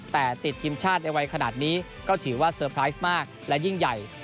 แต่ติดทีมชาติในวัยขนาดนี้ก็ถือว่าเซอร์ไพรส์มากและยิ่งใหญ่